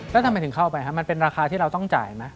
แล้วทำไมถึงเข้าไปครับมันเป็นราคาที่เราต้องจ่ายไหม